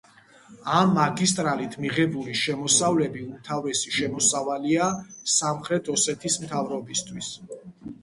ამ მაგისტრალით მიღებული შემოსავლები უმთავრესი შემოსავალია სამხრეთ ოსეთის მთავრობისთვის.